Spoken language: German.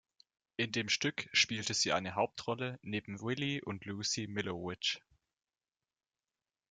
In dem Stück spielte sie eine Hauptrolle neben Willy und Lucy Millowitsch.